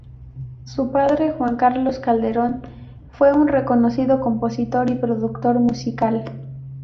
Su padre Juan Carlos Calderón fue un reconocido compositor y productor musical.